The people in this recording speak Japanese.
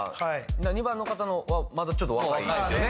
２番の方はまだちょっと若いですよね